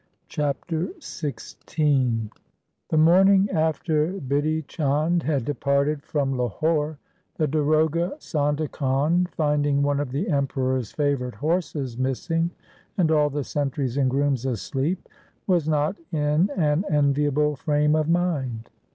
Chapter XVI The morning after Bidhi Chand had departed from Lahore the darogha Sondha Khan, finding one of the Emperor's favourite horses missing and all the sentries and grooms asleep, was not in an enviable frame of mind.